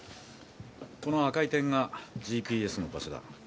この赤い点がＧＰＳの場所だ。